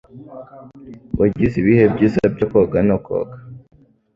Wagize ibihe byiza byo koga no koga?